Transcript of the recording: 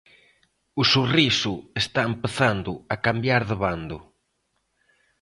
O sorriso está empezando a cambiar de bando.